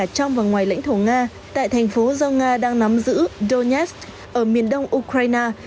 trong và ngoài lãnh thổ nga tại thành phố do nga đang nắm giữ donas ở miền đông ukraine